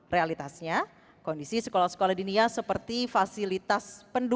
realitasnya kondisi sekolah sekolah dinia seperti fasilitas penduduk